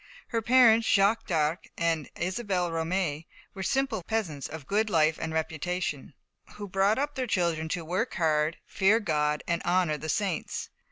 Her parents, Jacques d'Arc and Isabelle Romée, were simple peasants, "of good life and reputation," who brought up their children to work hard, fear God and honour the saints.